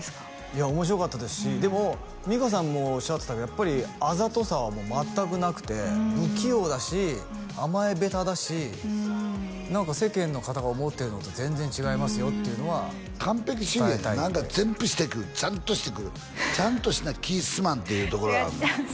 いや面白かったですしでも実花さんもおっしゃってたけどやっぱりあざとさは全くなくて不器用だし甘え下手だし何か世間の方が思ってるのと全然違いますよっていうのは完璧主義やねん何か全部してくるちゃんとしてくるちゃんとしな気ぃ済まんっていうところがあんねん